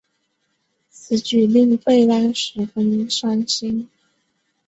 此举令贝拉十分伤心。